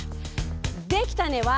「できたね！」